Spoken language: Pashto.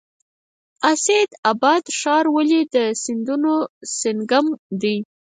اسعد اباد ښار ولې د سیندونو سنگم دی؟